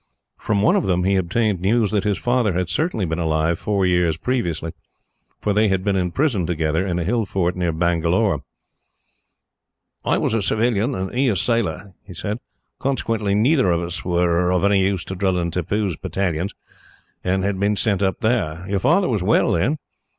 From one of them, he obtained news that his father had certainly been alive four years previously, for they had been in prison together, in a hill fort near Bangalore. "I was a civilian and he a sailor," he said, "consequently neither of us were of any use in drilling Tippoo's battalions, and had been sent up there. Your father was well, then.